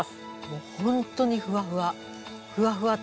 もうホントにふわふわ。